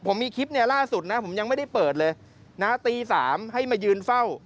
ผมมีคลิปเนี่ยล่าสุดนะผมยังไม่ได้เปิดเลยนะตี๓ให้มายืนเฝ้า